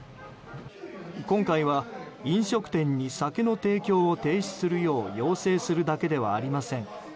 今回は、飲食店に酒の提供を停止するよう要請するだけではありません。